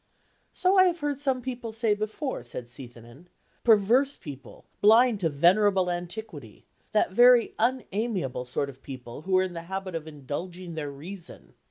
"So I have heard some people say before," said Seithenyn; "perverse people, blind to venerable antiquity: that very unamiable sort of people who are in the habit of indulging their reason.